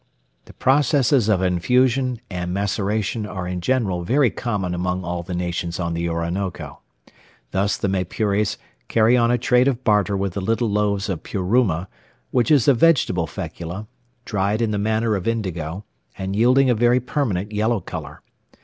The processes of infusion and maceration are in general very common among all the nations on the Orinoco. Thus the Maypures carry on a trade of barter with the little loaves of puruma, which is a vegetable fecula, dried in the manner of indigo, and yielding a very permanent yellow colour.